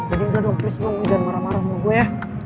jadi udah dong please jangan marah marah sama gue ya